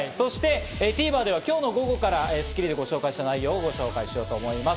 ＴＶｅｒでは今日の午後から『スッキリ』でご紹介した内容を紹介しようと思います。